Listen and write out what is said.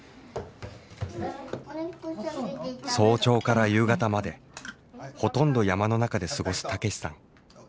早朝から夕方までほとんど山の中で過ごす武さん。